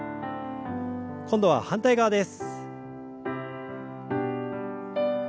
今度は反対側です。